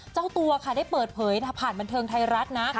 เจ้าตัวค่ะได้เปิดเผยผ่านบันเทิงไทยรัฐนะ